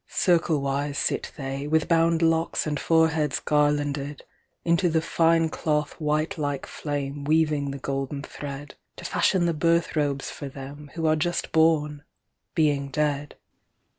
"Circlewise sit they, with bound locksAnd foreheads garlanded; Into the fine cloth white like flameWeaving the golden thread. To fashion the birth robes for themWho are just born, being dead.